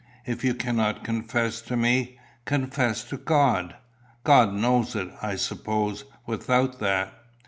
If you cannot confess to me, confess to God." "God knows it, I suppose, without that."